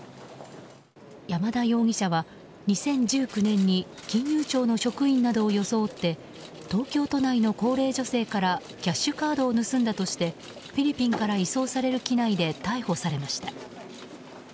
山田容疑者は、２０１９年に金融庁の職員などを装って東京都内の高齢女性からキャッシュカードを盗んだとしてフィリピンから移送される機内で逮捕されました。